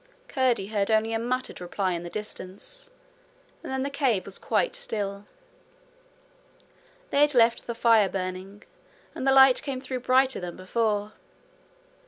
Curdie heard only a muttered reply in the distance; and then the cave was quite still. They had left the fire burning, and the light came through brighter than before.